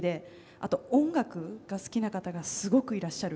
あと、音楽が好きな方がすごくいらっしゃる。